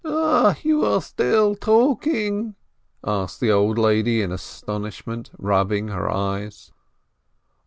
"You are still talking?" asked the old lady, in aston ishment, rubbing her eyes.